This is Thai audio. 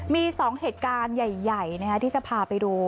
มี๒เหตุการณ์ใหญ่ที่จะพาไปดู